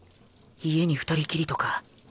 家に２人きりとか